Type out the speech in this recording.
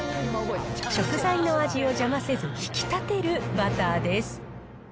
食材の味を邪魔せず、引き立てるバターです。